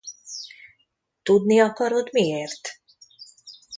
Tudni akarod miért?